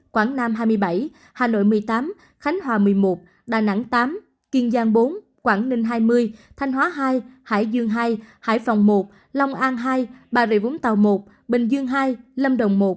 quảng nam hai mươi bảy hà nội một mươi tám khánh hòa một mươi một đà nẵng tám kiên giang bốn quảng ninh hai mươi thanh hóa hai hải dương hai hải phòng một long an hai bà rịa vũng tàu một bình dương hai lâm đồng một